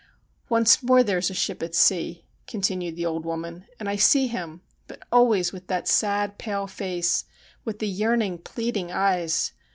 ' Once more there is a ship at sea,' continued the old woman, ' and I see him, but always with that sad pale face, with the yearning, pleading eyes.